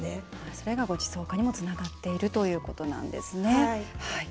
それが、ごちそう化にもつながっているということなんですね。